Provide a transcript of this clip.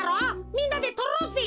みんなでとろうぜ。